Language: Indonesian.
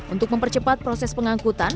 untuk mempercepat proses pengangkutan